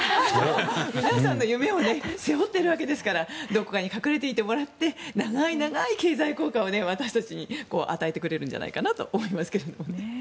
皆さんの夢を背負っているわけですからどこかに隠れていてもらって長い長い経済効果を私たちに与えてくれるのではと思いますけどね。